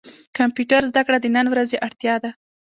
کمپيوټر زده کړه د نن ورځي اړتيا ده.